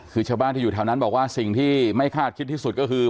คือชาวบ้านที่อยู่แถวนั้นบอกว่าสิ่งที่ไม่คาดคิดที่สุดก็คือ